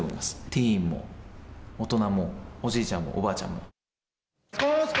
ティーンも大人も、おじいちゃんも、おばあちゃんも。